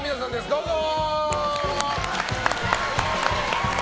どうぞ！